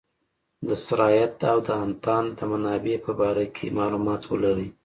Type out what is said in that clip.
د سرایت او د انتان د منابع په باره کې معلومات ولري.